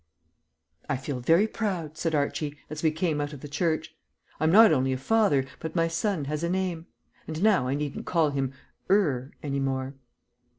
..... "I feel very proud," said Archie as we came out of the church. "I'm not only a father, but my son has a name. And now I needn't call him 'er' any more."